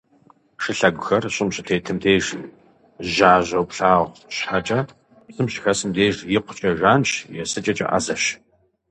Шылъэгухэр щӏым щытетым деж жьажьэу плъагъу щхьэкӏэ, псым щыхэсым деж икъукӏэ жанщ, есыкӏэкӏэ ӏэзэщ.